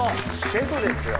シェフですよ。